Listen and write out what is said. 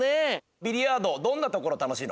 ビリヤードどんなところたのしいの？